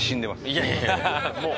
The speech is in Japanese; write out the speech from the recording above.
いやいやいやいや。